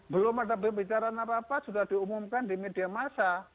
belum ada pembicaraan apa apa sudah diumumkan di media massa